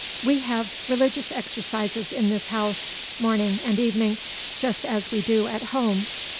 We have religious exercises in this house, morning and evening, just as we do at home.